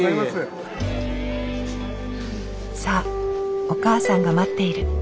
さあお母さんが待っている。